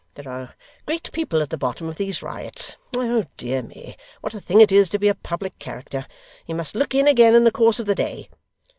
There are great people at the bottom of these riots. Oh dear me, what a thing it is to be a public character! You must look in again in the course of the day.